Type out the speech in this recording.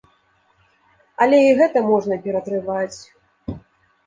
Але і гэта можна ператрываць.